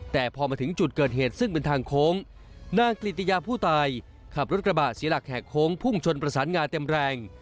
แต่พอมาถึงจุดเกิดเหตุซึ่งเป็นทางโค้งนางกลิตยาผู้ตายขับรถกระบะเสียหลักแหกโค้งพุ่งชนประสานงาเต็มแรง